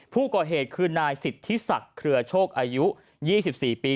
ผู้ก่อเหตุคือนายสิทธิศักดิ์เครือโชคอายุ๒๔ปี